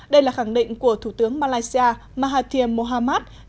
đây là khẳng định của thủ tướng malaysia mahathir mohamad